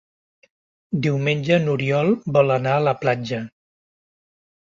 Diumenge n'Oriol vol anar a la platja.